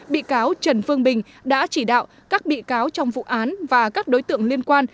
bị cáo trần phương bình đã chỉ đạo các bị cáo trong vụ án và các đối tượng liên quan